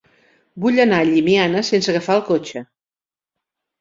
Vull anar a Llimiana sense agafar el cotxe.